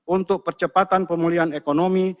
untuk percepatan pemulihan ekonomi